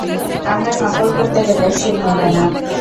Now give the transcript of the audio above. আমরা নকল করতে গেলে সুর মেলে না।